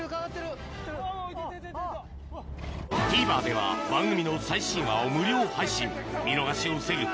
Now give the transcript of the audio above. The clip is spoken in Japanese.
ＴＶｅｒでは番組の最新話を無料配信見逃しを防ぐ